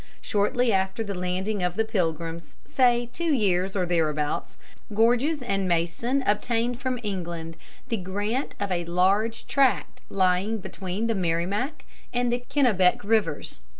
Shortly after the landing of the Pilgrims, say two years or thereabouts, Gorges and Mason obtained from England the grant of a large tract lying between the Merrimac and Kennebec Rivers.